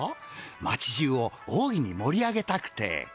町じゅうを大いにもり上げたくて。